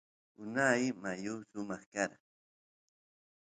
unay mayu samaq kara